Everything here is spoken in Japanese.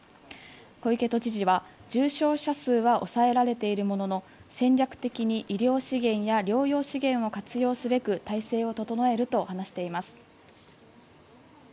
小池都知事は重症者数は抑えられているものの戦略的に医療資源や療養資源を活用すべく体制を整えると話しています。